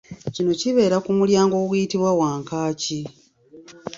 Kino kibeera ku mulyango oguyitibwa Wankaaki.